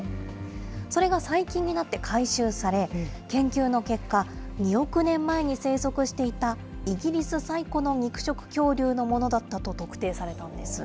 それが最近になって回収され、研究の結果、２億年前に生息していた、イギリス最古の肉食恐竜のものだったと特定されたんです。